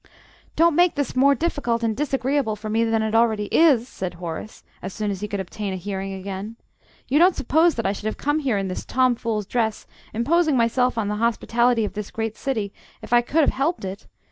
"Don't make this more difficult and disagreeable for me than it is already!" said Horace, as soon as he could obtain a hearing again. "You don't suppose that I should have come here in this Tom fool's dress, imposing myself on the hospitality of this great City, if I could have helped it!